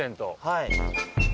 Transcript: はい。